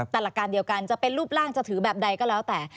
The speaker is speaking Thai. แต่หลักการเดียวกันจะเป็นรูปร่างจะถือแบบใดก็แล้วแต่